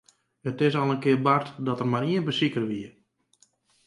It is al in kear bard dat der mar ien besiker wie.